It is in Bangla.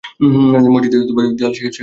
মসজিদের দেয়াল সেখানে বাধার মতো কাজ করছে।